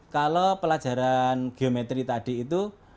kalau pelajaran geometri tadi itu